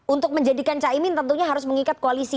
untuk menjadikan caimin tentunya harus mengikat koalisi